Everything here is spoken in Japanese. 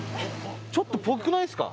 ちょっとぽくないっすか？